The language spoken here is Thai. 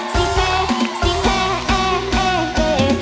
สิเผ่สิเผ่เอเอเอ